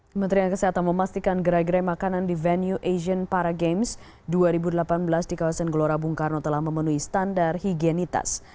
kementerian kesehatan memastikan gerai gerai makanan di venue asian para games dua ribu delapan belas di kawasan gelora bung karno telah memenuhi standar higienitas